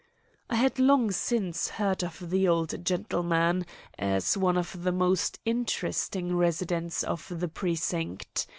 I had long since heard of the old gentleman as one of the most interesting residents of the precinct.